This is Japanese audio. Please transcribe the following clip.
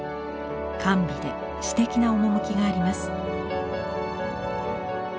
甘美で詩的な趣があります。